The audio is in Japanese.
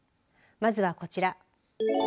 まずは、こちら。